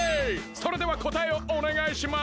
それではこたえをおねがいします！